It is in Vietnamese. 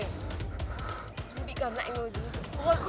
chú bị cầm lạnh rồi chú